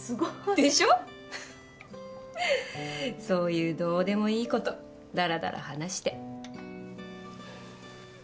そういうどうでもいいことダラダラ話して